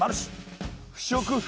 不織布。